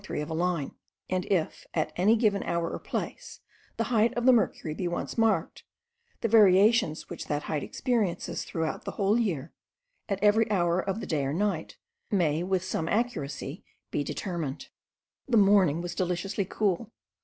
3 of a line; and if at any given hour or place the height of the mercury be once marked, the variations which that height experiences throughout the whole year, at every hour of the day or night, may with some accuracy be determined. The morning was deliciously cool.